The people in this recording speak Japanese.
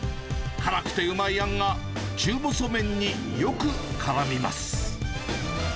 辛くてうまいあんが、中細麺によくからみます。